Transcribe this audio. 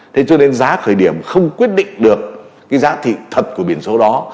thế cho nên giá khởi điểm không quyết định được cái giá trị thật của biển số đó